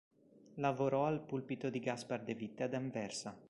Lavorò al pulpito di Gaspar de Witte ad Anversa.